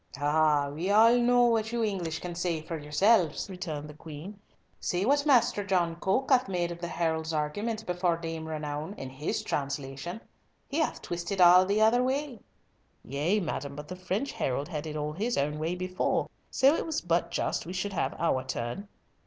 "Ah! we all know what you English can say for yourselves," returned the Queen. "See what Master John Coke hath made of the herald's argument before Dame Renown, in his translation. He hath twisted all the other way." "Yea, madam, but the French herald had it all his own way before. So it was but just we should have our turn."